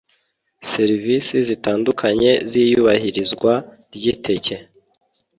Serivisi zitandukanye z’ iyubahirizwa ry’iteke